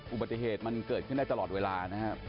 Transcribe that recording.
อุบัติเหตุมันเกิดขึ้นได้ตลอดเวลานะครับ